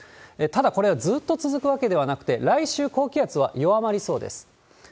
ただ、これがずっと続くわけではなくて、来週、高気圧は弱まりそうです。